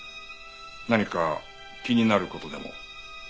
何か気になる事でも？